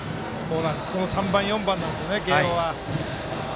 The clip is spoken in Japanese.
この３番、４番なんですね慶応は。